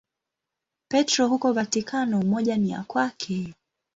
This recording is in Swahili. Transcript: Petro huko Vatikano, moja ni ya kwake.